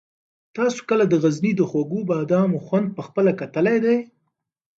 تاسو کله د غزني د خوږو بادامو خوند په خپله کتلی دی؟